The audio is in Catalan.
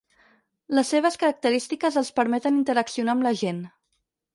Les seves característiques els permeten interaccionar amb la gent.